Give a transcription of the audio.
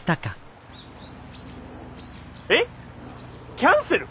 キャンセル！？